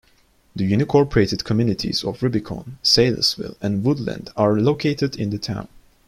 The unincorporated communities of Rubicon, Saylesville, and Woodland are located in the town.